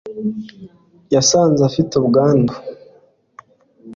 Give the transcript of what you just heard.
yasanze afite ubwandu